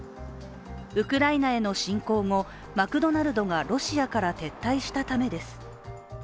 ウクライナへの侵攻後、マクドナルドがロシアから撤退したためです。